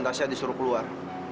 tasya disuruh keluar